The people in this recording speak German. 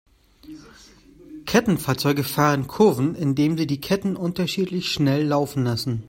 Kettenfahrzeuge fahren Kurven, indem sie die Ketten unterschiedlich schnell laufen lassen.